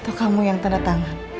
atau kamu yang tanda tangan